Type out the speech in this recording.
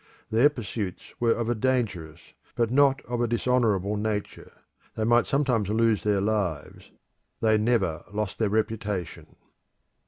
Their pursuits were of a dangerous, but not of a dishonourable nature: they might sometimes lose their lives; they never lost their reputation.